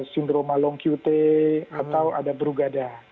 sindroma long qe atau ada brugada